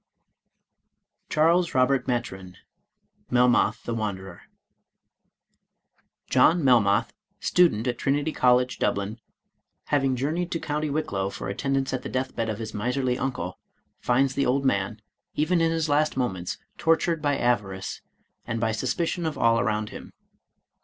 i6i Charles Robert Maturin Melmoth the Wanderer John Melmoth, student at Trinity College, Dublin, having jour neyed to County Wicklow for attendance at the deathbed of his miserly uncle, finds the old man, even in his last moments, tortured by avarice, and by suspicion of all around him.